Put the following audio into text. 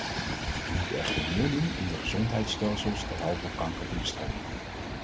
We moeten echter meer doen om de gezondheidsstelsels te helpen kanker te bestrijden.